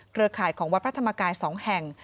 ข่ายของวัดพระธรรมกาย๒แห่ง